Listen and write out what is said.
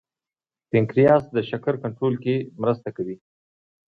پنکراس د شکر کنټرول کې مرسته کوي